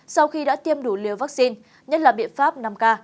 sau khi đã tiêm đủ liều vaccine nhất là biện pháp năm k